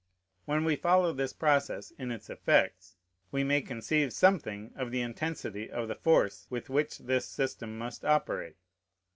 When we follow this process in its effects, we may conceive something of the intensity of the force with which this system must operate.